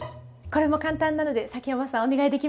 これも簡単なので崎山さんお願いできますか？